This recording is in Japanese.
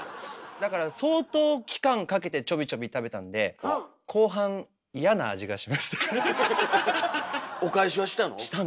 だから相当期間かけてちょびちょび食べたんでお返しはしたの？